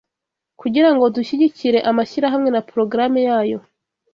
kugirango dushyigikire amashyirahamwe na programe yayo